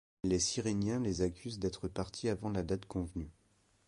Les Cyréniens les accusent d'être partis avant la date convenue.